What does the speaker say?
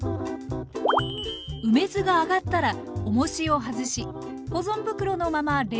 梅酢が上がったらおもしを外し保存袋のまま冷蔵庫に入れましょう。